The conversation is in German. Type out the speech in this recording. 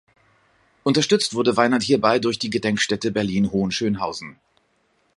Unterstützt wurde Weinert hierbei durch die Gedenkstätte Berlin-Hohenschönhausen.